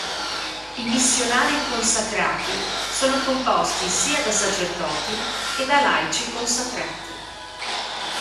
I missionari consacrati sono composti sia da sacerdoti che da laici consacrati.